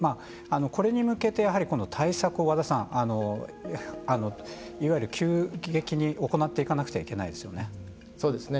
ここに向けて対策を和田さんいわゆる急激に行っていかなければいけないですよね。